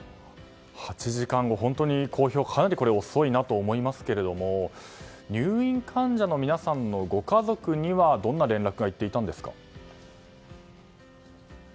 ８時間後、本当に公表がかなり遅いなと思いますけれども入院患者の皆さんのご家族にはどんな連絡が行っていたんですか。